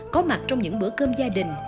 có mặt trong những bữa cơm gia đình